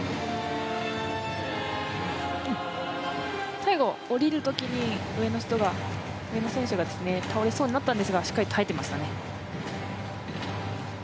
最後、降りるときに上の選手が倒れそうになったんですがしっかり耐えてましたね。